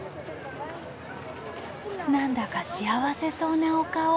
何だか幸せそうなお顔。